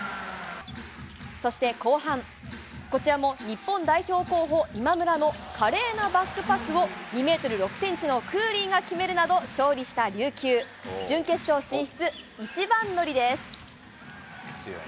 そして後半、こちらも日本代表候補、今村の華麗なバックパスを、２メートル６センチのクーリーが決めるなど、勝利した琉球。準決勝進出一番乗りです。